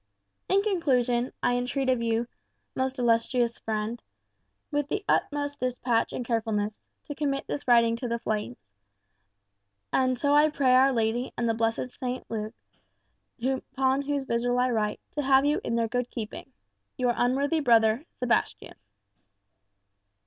"In conclusion, I entreat of you, most illustrious friend, with the utmost despatch and carefulness, to commit this writing to the flames; and so I pray our Lady and the blessed St. Luke, upon whose vigil I write, to have you in their good keeping. Your unworthy brother, "SEBASTIAN."